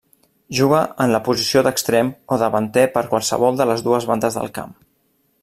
Juga en la posició d'extrem o davanter per qualsevol de les dues bandes del camp.